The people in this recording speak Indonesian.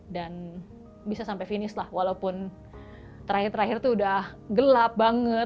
dan bisa sampai finish lah walaupun terakhir terakhir itu udah gelap banget